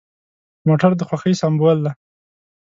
موټر د خوښۍ سمبول دی.